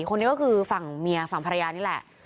คนนี้ก็คือฝั่งเมียฝั่งภรรยานี่แหละ